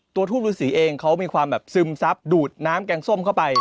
ทูปฤษีเองเขามีความแบบซึมซับดูดน้ำแกงส้มเข้าไป